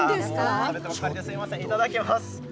食べてばっかりですみません、いただきます。